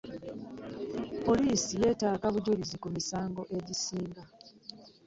Poliisi yetaaga obujulizi ku misango egisinga.